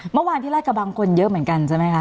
เมื่อวานที่ราชกระบังคนเยอะเหมือนกันใช่ไหมคะ